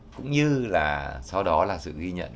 cũng như là sau đó là sự ghi nhận